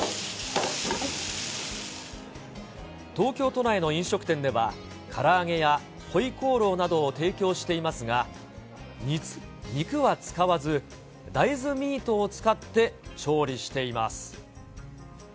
東京都内の飲食店では、から揚げや回鍋肉などを提供していますが、肉は使わず、大豆ミートを使って調理しています。